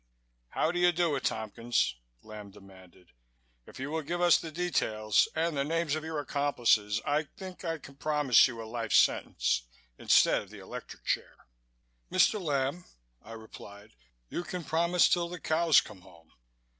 "How do you do it, Tompkins?" Lamb demanded. "If you will give us the details and the names of your accomplices I think I can promise you a life sentence instead of the electric chair." "Mr. Lamb," I replied, "You can promise till the cows come home.